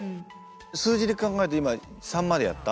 数字で考えると今３までやった？